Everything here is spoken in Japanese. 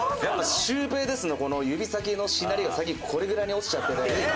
やっぱ「シュウペイです」のこの指先のしなりが最近これぐらいに落ちちゃってて。